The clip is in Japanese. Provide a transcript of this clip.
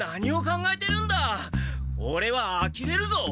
オレはあきれるぞ！